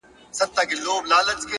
د رڼاگانو شيسمحل کي به دي ياده لرم،